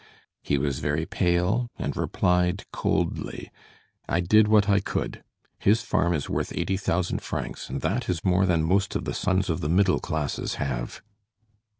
He was very pale and replied coldly: "I did what I could. His farm is worth eighty thousand francs, and that is more than most of the sons of the middle classes have."